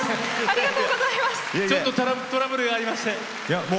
ちょっとトラブルがありまして。